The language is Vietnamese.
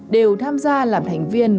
đều tham gia làm thành viên